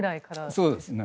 そうですね。